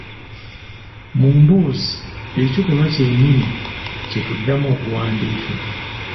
Mu mboozi ekikolwa kye nnyini kye tuddamu okuwandiika